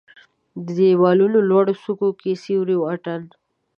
د د یوالونو لوړو څوکو کې د سیورو اټن